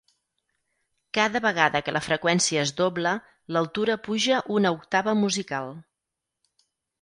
Cada vegada que la freqüència es dobla, l'altura puja una octava musical.